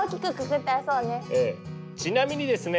ちなみにですね